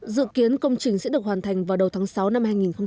dự kiến công trình sẽ được hoàn thành vào đầu tháng sáu năm hai nghìn một mươi chín